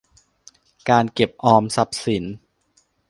การเก็บออมทรัพย์สิน